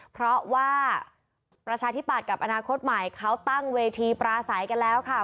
เพราะว่าประชาธิปัตย์กับอนาคตใหม่เขาตั้งเวทีปราศัยกันแล้วค่ะ